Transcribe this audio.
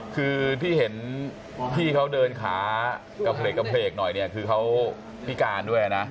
คือที่เห็นพี่เขาเดินขากระเพลกหน่อยเนี่ยคือเขาพิการด้วยนะ